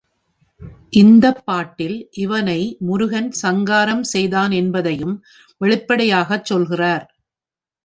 இந்தப் பாட்டில் இவனை முருகன் சங்காரம் செய்தான் என்பதையும் வெளிப்படையாகச் சொல்கிறார்.